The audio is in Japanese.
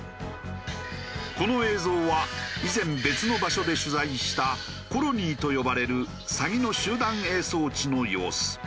この映像は以前別の場所で取材したコロニーと呼ばれるサギの集団営巣地の様子。